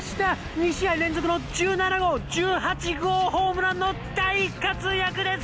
２試合連続の１７号、１８号ホームランの大活躍です。